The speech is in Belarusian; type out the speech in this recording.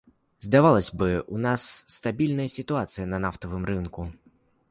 Здавалася б, у нас стабільная сітуацыя на нафтавым рынку.